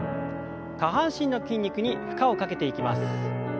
下半身の筋肉に負荷をかけていきます。